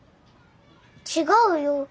違うよ！